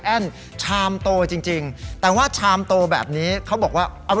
แอ้นชามโตจริงแต่ว่าชามโตแบบนี้เขาบอกว่าอร่อย